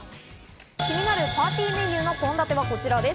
気になるパーティーメニューの献立はこちらです。